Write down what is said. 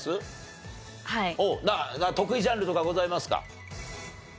得意ジャンルとかございますか？